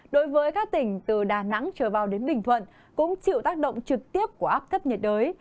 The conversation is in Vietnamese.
đối với các tỉnh từ đà nẵng trở vào đến bình thuận cũng chịu tác động trực tiếp của áp thấp nhiệt đới